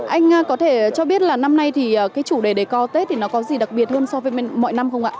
anh có thể cho biết là năm nay thì cái chủ đề đề cao tết thì nó có gì đặc biệt hơn so với mọi năm không ạ